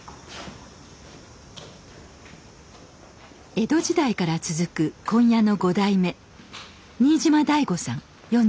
江戸時代から続く紺屋の５代目新島大吾さん４５歳です。